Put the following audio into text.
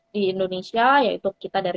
di indonesia yaitu kita dari